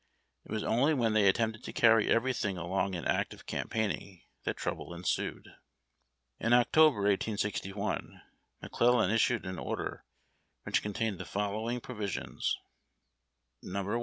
It was only when they attempted to carry everything along in active campaigning that trouble ensued. In October, 1861, McClellan issued an order which con tained the following provisions :—'' 1.